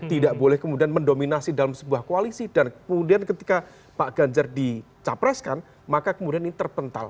tidak boleh kemudian mendominasi dalam sebuah koalisi dan kemudian ketika pak ganjar dicapreskan maka kemudian ini terpental